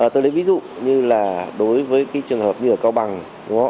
tôi lấy ví dụ như là đối với cái trường hợp như ở cao bằng